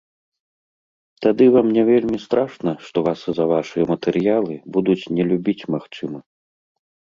Тады вам не вельмі страшна, што вас за вашыя матэрыялы будуць не любіць, магчыма.